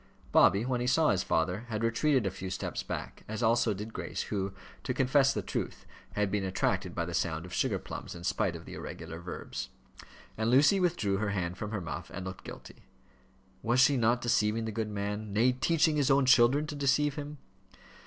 Bobby, when he saw his father, had retreated a few steps back, as also did Grace, who, to confess the truth, had been attracted by the sound of sugar plums, in spite of the irregular verbs. And Lucy withdrew her hand from her muff, and looked guilty. Was she not deceiving the good man nay, teaching his own children to deceive him?